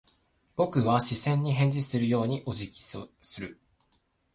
僕は視線に返事をするようにお辞儀をする。